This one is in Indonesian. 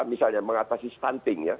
misalnya mengatasi stunting ya